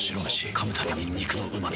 噛むたびに肉のうま味。